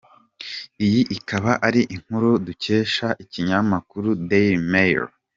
Iyi ikaba ari inkuru dukesha ikinyamakuru Dailymail.